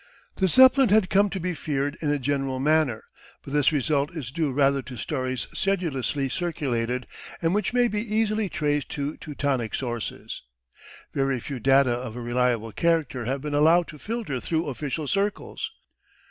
The Zeppelin has come to be feared in a general manner, but this result is due rather to stories sedulously circulated, and which may be easily traced to Teutonic sources. Very few data of a reliable character have been allowed to filter through official circles.